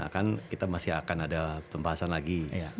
kan kita masih akan ada pembahasan lagi